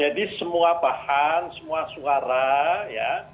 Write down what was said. ya jadi semua bahan semua suara ya